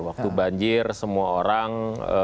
waktu banjir semua orang